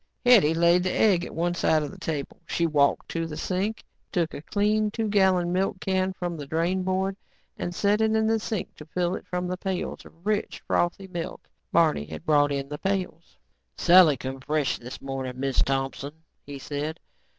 Hetty laid the egg at one side of the table. She walked to the sink and took a clean, two gallon milk can from the drainboard and set it in the sink to fill it from the pails of rich, frothy milk Barney had brought in the pails. "Sally come fresh this morning, Miz Thompson," he said.